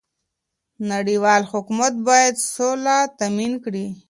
نړيوال حکومت بايد سوله تامين کړي.